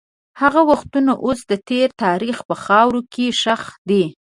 هغه وختونه اوس د تېر تاریخ په خاوره کې ښخ دي.